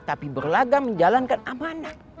tapi berlagak menjalankan amanat